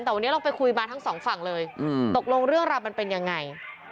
แต่วันนี้เราไปคุยมาทั้งสองฝั่งเลยตกลงเรื่องราวมันเป็นยังไง